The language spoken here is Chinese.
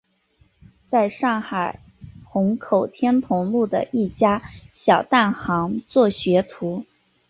在上海虹口天潼路的一家小蛋行做学徒。